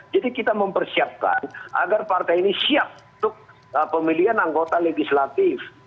jadi kita mempersiapkan agar partai ini siap untuk pemilihan anggota legislatif